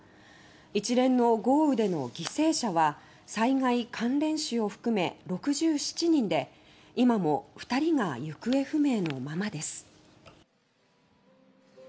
一連の豪雨での犠牲者は災害関連死を含め６７人で今も２人が行方不明のままです。